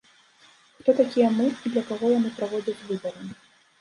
Хто такія мы, і для каго яны праводзяць выбары?